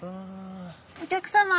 お客様。